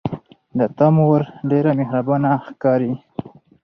د تا مور ډیره مهربانه ښکاري